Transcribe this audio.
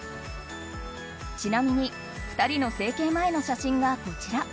ちなみに２人の整形前の写真がこちら。